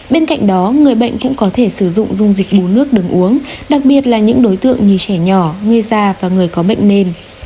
bên cạnh đó người bệnh cũng có thể sử dụng dung dịch bù nước đường uống đặc biệt là những đối tượng như trẻ nhỏ người già và người có bệnh nền